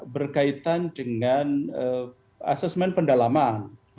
berkaitan dengan asesmen pendalaman